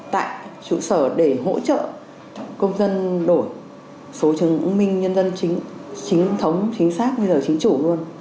tại trụ sở để hỗ trợ công dân đổi số chứng minh nhân dân chính thống chính xác bây giờ chính chủ luôn